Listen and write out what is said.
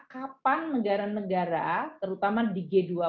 kapan negara negara terutama di g dua puluh